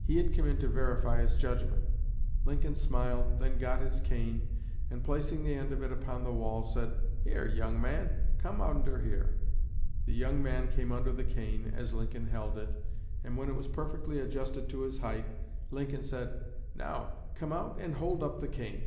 He had come in to verify his judgment. Lincoln smiled, then got his cane, and placing the end of it upon the wall said, "Here, young man, come under here!" The young man came under the cane, as Lincoln held it, and when it was perfectly adjusted to his height Lincoln said, "Now come out and hold up the cane."